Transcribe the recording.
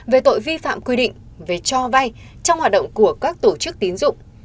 về tội vi phạm quy định về cho vay trong hoạt động của các tổ chức tín dụng